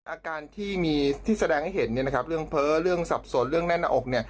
อาการที่มีที่แสดงให้เห็นเรื่องเพ้อเรื่องสับสนเรื่องแน่นหน้าอก